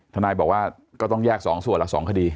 ทนายบอกว่าก็ต้องแยก๒ส่วนละ๒คดี